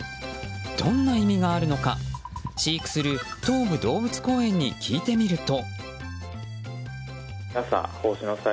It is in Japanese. どんな意味があるのか飼育する東武動物公園に聞いてみると。